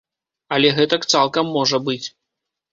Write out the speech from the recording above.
Але гэтак цалкам можа быць.